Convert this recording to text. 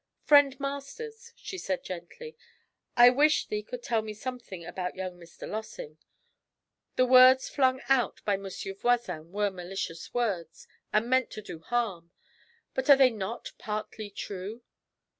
'Friend Masters,' she said gently, 'I wish thee could tell me something about young Mr. Lossing. The words flung out by Monsieur Voisin were malicious words, and meant to do harm. But are they not partly true?